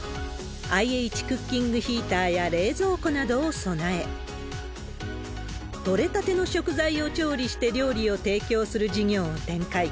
ＩＨクッキングヒーターや冷蔵庫などを備え、取れたての食材を調理して料理を提供する事業を展開。